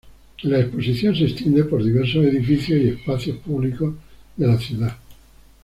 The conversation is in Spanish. La exposición se extiende por diversos edificios y espacios públicos de la ciudad.